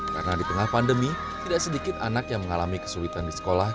karena di tengah pandemi tidak sedikit anak yang mengalami kesulitan di sekolah